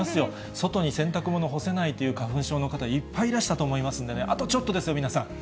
外に洗濯物干せないという花粉症の方、いっぱいいらしたと思いますんでね、あとちょっとですよ、皆さん。